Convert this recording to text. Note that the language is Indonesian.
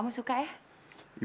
kamu bukannya jauh